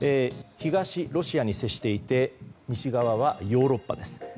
東ロシアに接していて西側はヨーロッパです。